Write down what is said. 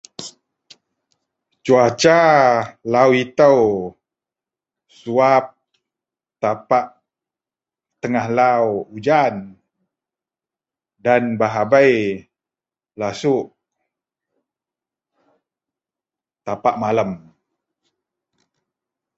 Cuaca lau ito suwab tapak tengah lau ujan dan bahabei lasuok tapak malem.